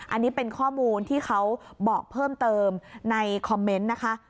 อันนี้เป็นข้อมูลที่เขาบอกเพิ่มเติมในคอมเมนต์นะคะ